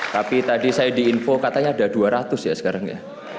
tapi tadi saya diinfo katanya ada dua ratus ya sekarang ya